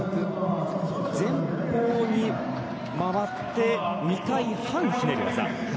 前方に回って２回半ひねる技。